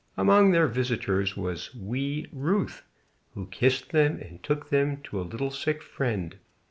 Among their visitors was wee Ruth, who kissed them and took them to a little sick friend.